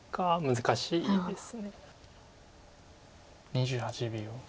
難しいです。